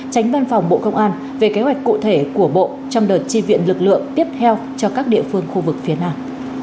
tránh văn phòng bộ công an về kế hoạch cụ thể của bộ trong đợt tri viện lực lượng tiếp theo cho các địa phương khu vực phía nam